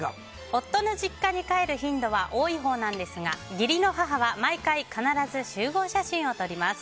夫の実家に帰る頻度は多いほうなんですが義理の母は毎回必ず集合写真を撮ります。